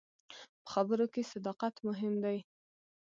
په خبرو کې صداقت مهم دی.